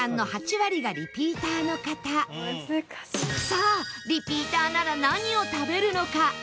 さあリピーターなら何を食べるのか？